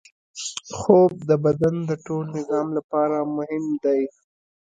خوب د بدن د ټول نظام لپاره مهم دی